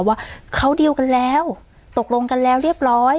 ว่าเขาดีลกันแล้วตกลงกันแล้วเรียบร้อย